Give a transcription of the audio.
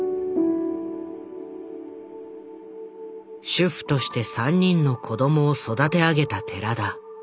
主婦として３人の子供を育て上げた寺田。